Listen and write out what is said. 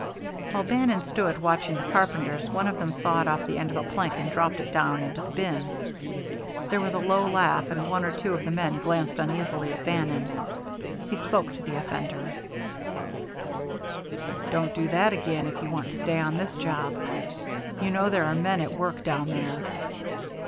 While Bannon stood watching the carpenters, one of them sawed off the end of a plank and dropped it down into the bin. There was a low laugh, and one or two of the men glanced uneasily at Bannon. He spoke to the offender "Don't do that again if you want to stay on this job. You know there are men at work down there."